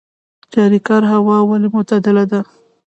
چاریکار هوا ولې معتدله ده؟